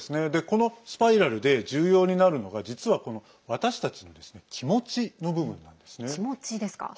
このスパイラルで重要になるのが実は私たちの気持ちの部分なんですね。